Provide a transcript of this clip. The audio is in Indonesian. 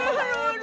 aduh aduh aduh